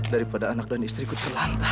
daripada anak dan istriku terlantar